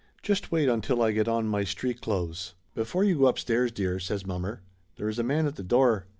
"Just wait until I get on my street clothes." "Before you go upstairs, dear," says mommer "there is a man at the door.